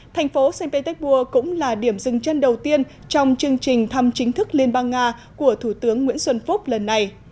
thành phố st petersburg cũng là điểm dừng chân đầu tiên trong chương trình thăm chính thức liên bang nga của thủ tướng nguyễn xuân phúc lần này